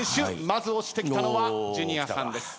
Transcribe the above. まず押してきたのはジュニアさんです。